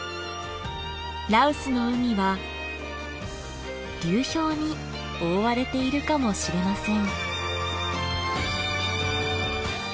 羅臼の海は流氷に覆われているかもしれません。